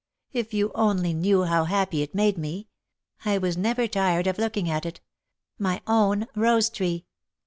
If you only knew how happy it made me, I was never tired of looking at it, my own rose tree!